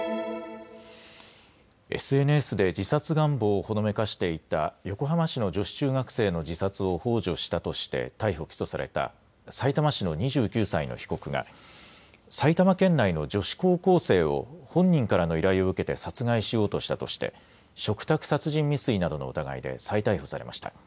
ＳＮＳで自殺願望をほのめかしていた横浜市の女子中学生の自殺をほう助したとして逮捕・起訴されたさいたま市の２９歳の被告が埼玉県内の女子高校生を本人からの依頼を受けて殺害しようとしたとして嘱託殺人未遂などの疑いで再逮捕されました。